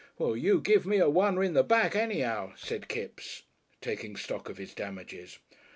"Well you give me a oner in the back anyhow," said Kipps, taking stock of his damages.